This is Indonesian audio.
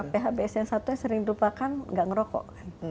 sama phbs yang satunya sering dilupakan nggak ngerokok